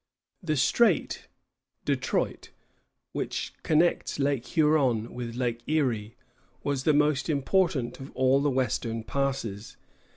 The strait détroit which connects Lake Huron with Lake Erie was the most important of all the western passes.